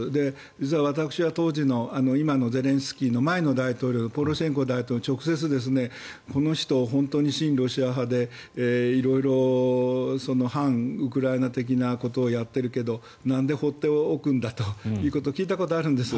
実は私は今のゼレンスキーの前の大統領ポロシェンコ大統領に直接この人は本当に親ロシア派で色々、反ウクライナ的なことをやってるけどなんで放っておくんだということを聞いたことがあるんです。